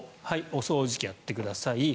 掃除機やってください。